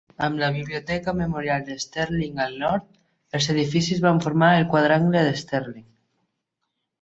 Amb la Biblioteca Memorial de Sterling al nord, els edificis van formar el Quadrangle de Sterling.